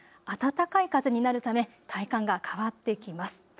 暖かい風になるため体感が変わってきます。